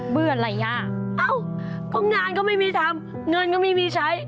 เพราะงานก็ไม่มีทำเงินก็ไม่มีใช้